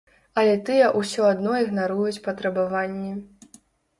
Але тыя ўсё адно ігнаруюць патрабаванні.